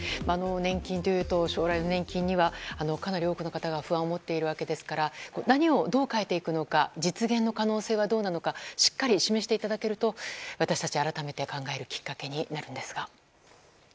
年金というと、将来の年金にはかなりの多くの方が不安を持っているわけですから何をどう変えていくのか実現の可能性はどうなのかしっかり示していただけると私たちが改めて考えるきっかけになるんですが。